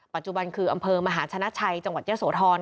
ปัจจุบันคืออำเภอมหาชนะชัยจังหวัดเยอะโสธร